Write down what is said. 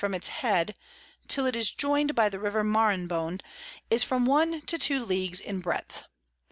from its Head, till it is join'd by the River Maranhon, is from one to two Leagues in breadth.